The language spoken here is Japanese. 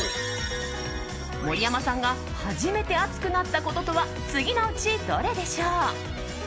森山さんが初めて熱くなったこととは次のうち、どれでしょう？